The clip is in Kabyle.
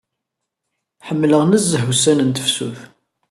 Ḥemmleɣ nezzeh ussan n tefsut.